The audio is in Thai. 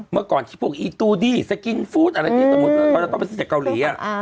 เมื่อก่อนที่พวกอีตูดี้สกินฟู้ดอะไรอย่างนี้ต้องเป็นที่จากเกาหลี